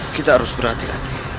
kita harus berhati hati